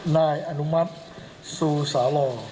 ๖๙๕นายอนุมัติซูสาลอ